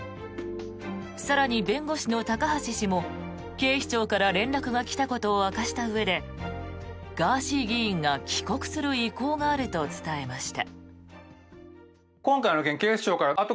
更に、弁護士の高橋氏も警視庁から連絡が来たことを明かしたうえでガーシー議員が帰国する意向があると伝えました。